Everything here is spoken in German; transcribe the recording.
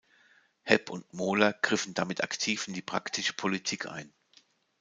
Hepp und Mohler griffen damit aktiv in die praktische Politik ein.